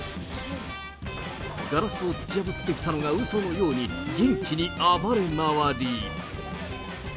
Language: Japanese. ガラスを突き破ってきたのがうそのように、元気に暴れ回り。